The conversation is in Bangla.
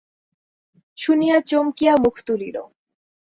শুনিয়া চমকিয়া মুখ তুলিল।